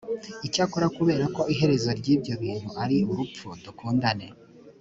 icyakora kubera ko iherezo ry’ibyo bintu ari urupfu dukundane